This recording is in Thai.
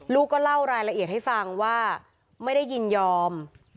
ก็เล่ารายละเอียดให้ฟังว่าไม่ได้ยินยอม